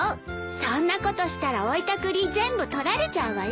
そんなことしたら置いた栗全部取られちゃうわよ。